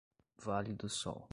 Vale do Sol